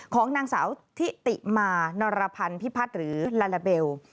ของนางสาวทิติมานรพันธ์พิพัฒน์หรือลาลาเบล